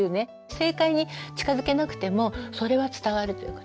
正解に近づけなくてもそれは伝わるということです。